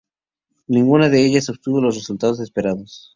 Ninguna de ellas obtuvo los resultados esperados.